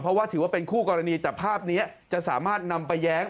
เพราะว่าถือว่าเป็นคู่กรณีแต่ภาพนี้จะสามารถนำไปแย้ง